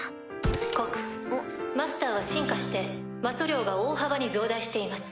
告マスターは進化して魔素量が大幅に増大しています。